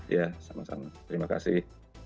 ya sama sama terima kasih